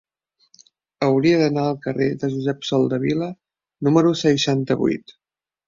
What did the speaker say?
Hauria d'anar al carrer de Josep Soldevila número seixanta-vuit.